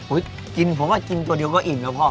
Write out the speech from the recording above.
กินผมว่ากินตัวเดียวก็อิ่มแล้วพ่อ